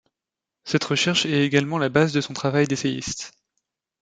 Cette recherche est également la base de son travail d'essayiste.